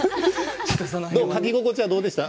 書き心地はどうでしたか？